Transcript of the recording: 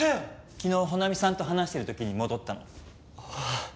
昨日帆奈美さんと話してる時に戻ったの。